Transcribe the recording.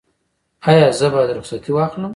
ایا زه باید رخصتي واخلم؟